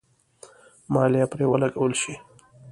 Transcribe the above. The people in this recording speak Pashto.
مالیه پرې ولګول شي.